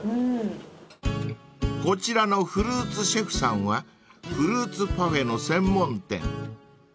［こちらのフルーツシェフさんはフルーツパフェの専門店］